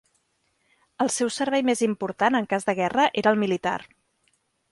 El seu servei més important, en cas de guerra, era el militar.